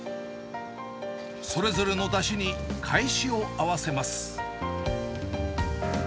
それぞれのだしにかえしを合わせます。